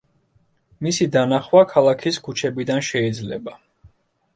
მისი დანახვა ქალაქის ქუჩებიდან შეიძლება.